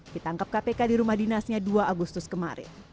ditangkap kpk di rumah dinasnya dua agustus kemarin